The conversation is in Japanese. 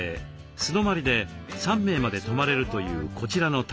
素泊まりで３名まで泊まれるというこちらのタイニーハウス。